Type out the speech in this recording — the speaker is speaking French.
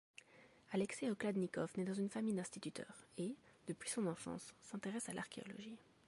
Alekseï Okladnikov naît dans une famille d'instituteurs et, depuis son enfance, s'intéresse à l'archéologie.